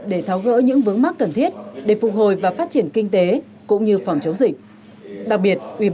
để tháo gỡ những vướng mắc cần thiết để phục hồi và phát triển kinh tế cũng như phòng chống dịch